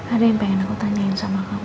ada yang pengen aku tanyain sama kamu